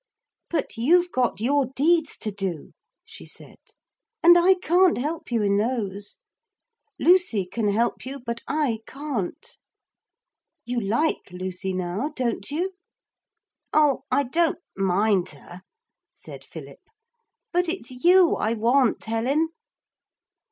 'But you've got your deeds to do,' she said, 'and I can't help you in those. Lucy can help you, but I can't. You like Lucy now, don't you?' 'Oh, I don't mind her,' said Philip; 'but it's you I want, Helen.'